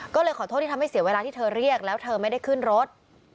ก็เลยขอโทษที่ทำให้เสียเวลาที่เธอเรียกแล้วเธอไม่ได้ขึ้นรถ